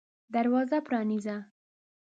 دروازه پرانیزه !